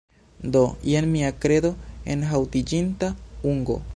Do, jen mia kredo enhaŭtiĝinta ungo